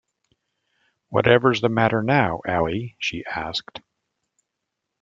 “Whatever’s the matter now, Ally?” she asked.